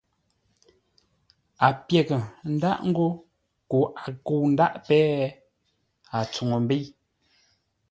A pyə́ghʼə ńdáʼ ńgó koo a kə̂u ńdáʼ péh, a tsuŋu ḿbə́i.